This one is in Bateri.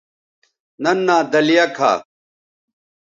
ننھا دلیہ کھا